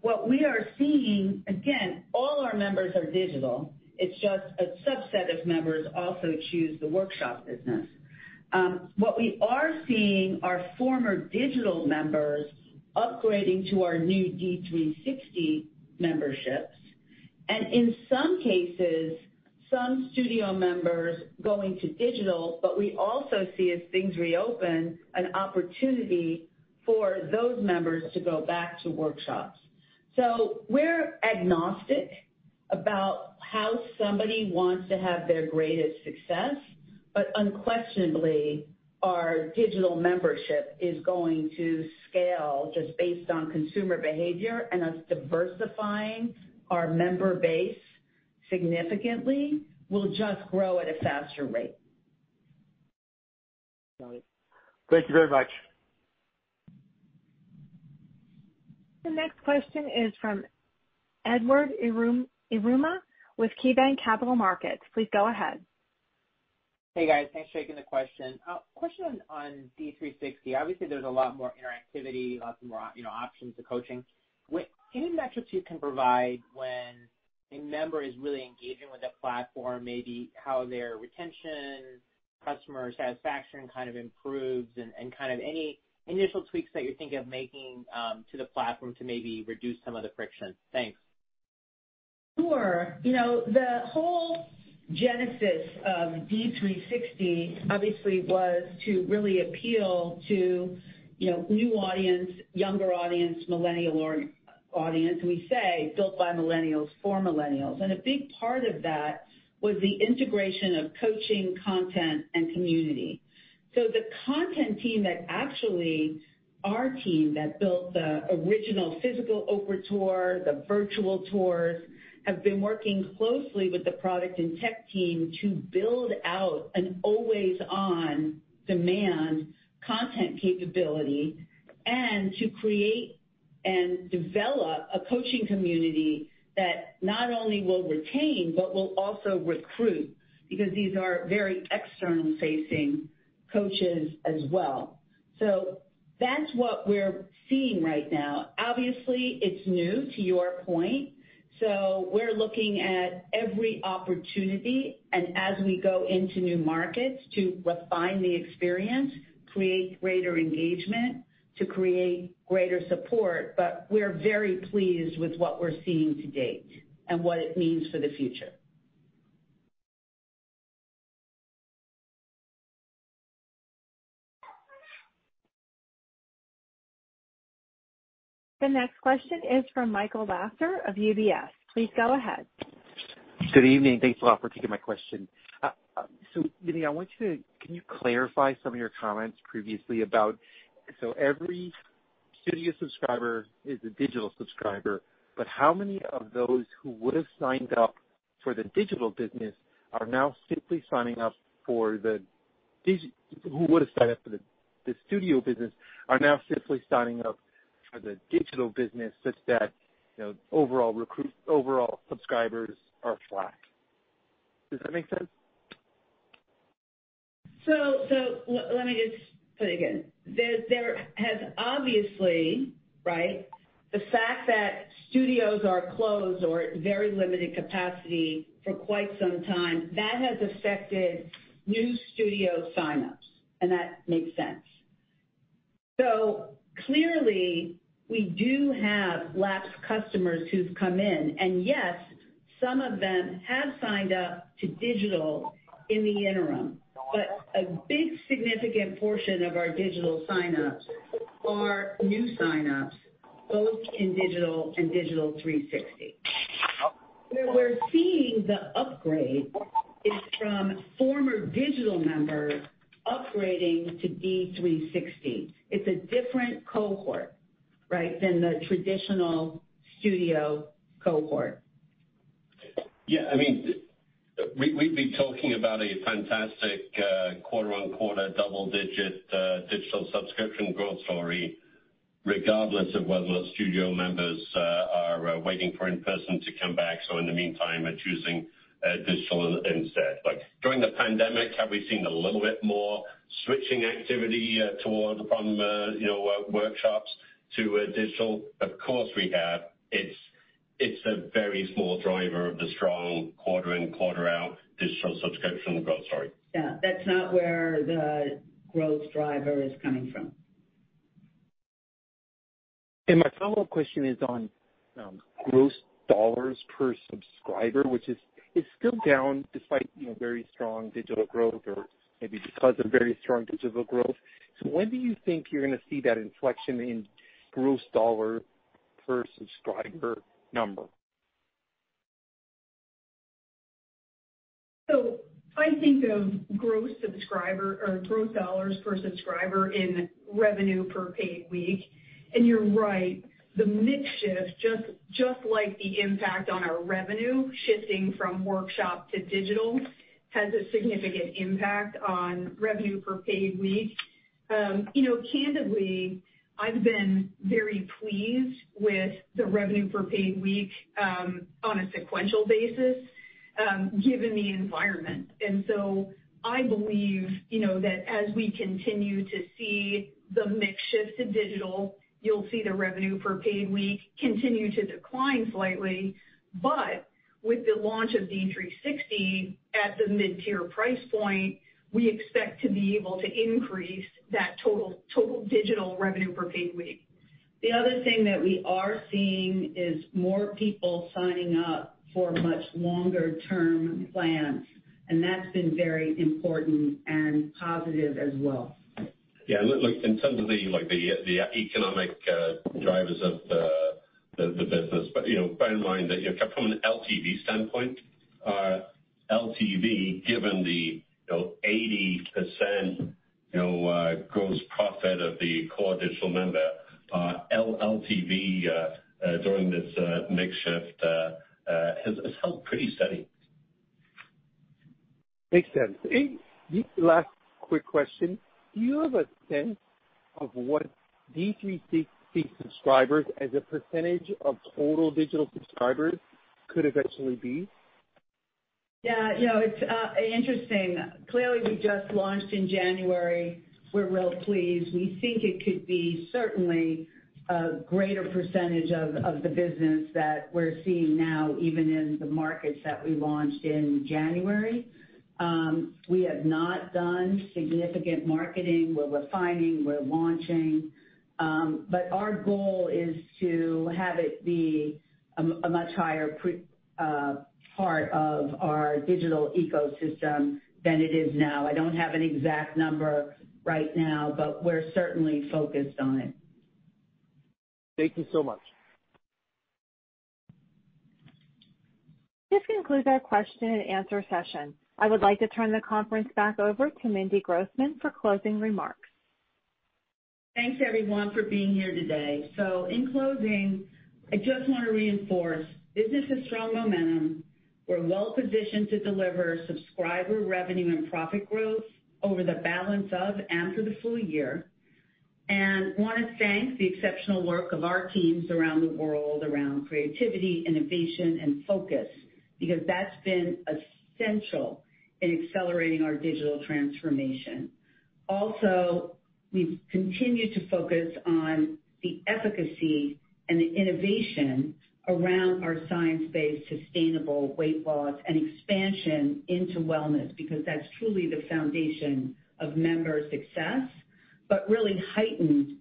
What we are seeing, again, all our members are digital. It's just a subset of members also choose the workshop business. What we are seeing are former digital members upgrading to our new D360 memberships. In some cases, some studio members going to digital, but we also see as things reopen, an opportunity for those members to go back to workshops. We're agnostic about how somebody wants to have their greatest success. Unquestionably, our digital membership is going to scale just based on consumer behavior and us diversifying our member base significantly will just grow at a faster rate. Got it. Thank you very much. The next question is from Edward Yruma with KeyBanc Capital Markets. Please go ahead. Hey, guys. Thanks for taking the question. Question on D360. Obviously, there's a lot more interactivity, lots more options to coaching. Any metrics you can provide when a member is really engaging with that platform, maybe how their retention, customer satisfaction kind of improves and any initial tweaks that you're thinking of making to the platform to maybe reduce some of the friction? Thanks. Sure. The whole genesis of D360 obviously was to really appeal to new audience, younger audience, millennial audience, we say, built by millennials for millennials. A big part of that was the integration of coaching, content, and community. The content team that actually, our team that built the original physical Oprah tour, the virtual tours, have been working closely with the product and tech team to build out an always-on demand content capability and to create and develop a coaching community that not only will retain, but will also recruit, because these are very external-facing coaches as well. That's what we're seeing right now. Obviously, it's new, to your point, so we're looking at every opportunity, and as we go into new markets, to refine the experience, create greater engagement, to create greater support. We're very pleased with what we're seeing to date and what it means for the future. The next question is from Michael Lasser of UBS. Please go ahead. Good evening. Thanks a lot for taking my question. Mindy, can you clarify some of your comments previously about every studio subscriber is a digital subscriber, but how many of those who would've signed up for the studio business are now simply signing up for the digital business, such that overall subscribers are flat? Does that make sense? Let me just put it again. There has obviously, right, the fact that studios are closed or at very limited capacity for quite some time, that has affected new studio signups, and that makes sense. Clearly, we do have lapsed customers who've come in, and yes, some of them have signed up to digital in the interim. A big significant portion of our digital signups are new signups, both in digital and Digital 360. Where we're seeing the upgrade is from former digital members upgrading to D360. It's a different cohort, right, than the traditional studio cohort. We'd be talking about a fantastic quarter-on-quarter double-digit digital subscription growth story regardless of whether those studio members are waiting for in-person to come back, so in the meantime, are choosing digital instead. During the pandemic, have we seen a little bit more switching activity from workshops to digital? Of course, we have. It's a very small driver of the strong quarter-in, quarter-out digital subscription growth story. Yeah. That's not where the growth driver is coming from. My follow-up question is on gross dollars per subscriber, which is still down despite very strong digital growth or maybe because of very strong digital growth. When do you think you're going to see that inflection in gross dollar per subscriber number? I think of gross dollars per subscriber in revenue per paid week, and you're right. The mix shift, just like the impact on our revenue shifting from workshop to digital, has a significant impact on revenue per paid week. Candidly, I've been very pleased with the revenue per paid week on a sequential basis, given the environment. I believe that as we continue to see the mix shift to digital, you'll see the revenue per paid week continue to decline slightly, but with the launch of D360 at the mid-tier price point, we expect to be able to increase that total digital revenue per paid week. The other thing that we are seeing is more people signing up for much longer-term plans, and that's been very important and positive as well. Yeah, look, in terms of the economic drivers of the business, bear in mind that from an LTV standpoint, LTV given the 80% gross profit of the core digital member, LTV during this mix shift has held pretty steady. Makes sense. Last quick question. Do you have a sense of what D360 subscribers as a percentage of total digital subscribers could eventually be? Yeah. It's interesting. Clearly, we just launched in January. We're well pleased. We think it could be certainly a greater percentage of the business that we're seeing now, even in the markets that we launched in January. We have not done significant marketing. We're refining, we're launching. Our goal is to have it be a much higher part of our digital ecosystem than it is now. I don't have an exact number right now, but we're certainly focused on it. Thank you so much. This concludes our question and answer session. I would like to turn the conference back over to Mindy Grossman for closing remarks. Thanks everyone for being here today. In closing, I just want to reinforce, business has strong momentum. We're well positioned to deliver subscriber revenue and profit growth over the balance of and through the full year. Want to thank the exceptional work of our teams around the world, around creativity, innovation, and focus, because that's been essential in accelerating our digital transformation. We've continued to focus on the efficacy and the innovation around our science-based sustainable weight loss and expansion into wellness, because that's truly the foundation of member success, but really heightened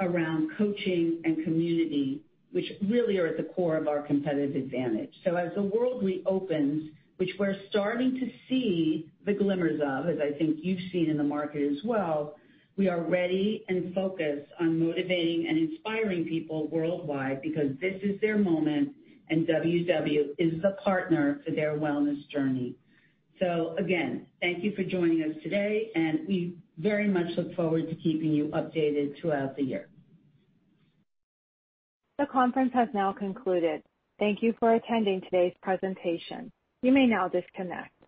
around coaching and community, which really are at the core of our competitive advantage. As the world reopens, which we're starting to see the glimmers of, as I think you've seen in the market as well, we are ready and focused on motivating and inspiring people worldwide because this is their moment, and WW is the partner for their wellness journey. Again, thank you for joining us today, and we very much look forward to keeping you updated throughout the year. The conference has now concluded. Thank you for attending today's presentation. You may now disconnect.